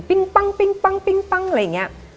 ปั้งอะไรอย่างนี้